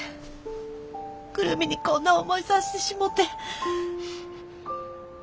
久留美にこんな思いさしてしもて。